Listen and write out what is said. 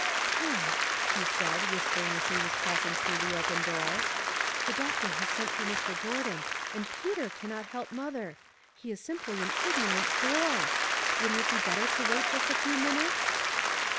" Tom,'* she said, whispering as he was passing through the open door, '' the doctor has sent for Mr. Gordon, and Peter cannot help mother ; he is simply an ignorant hoy. Wouldn't it be better to wait just a few minutes